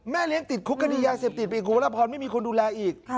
แม่เลี้ยงติดคุกครับดียายเสียบติดไปไม่มีคนดูแลอีก